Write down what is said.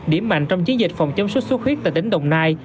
điểm mạnh trong chiến dịch phòng chống sốt xuất huyết tại tỉnh đồng nai